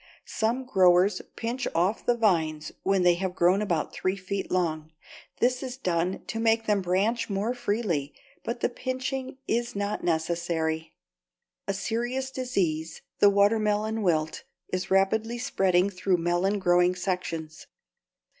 Some growers pinch off the vines when they have grown about three feet long. This is done to make them branch more freely, but the pinching is not necessary. A serious disease, the watermelon wilt, is rapidly spreading through melon growing sections.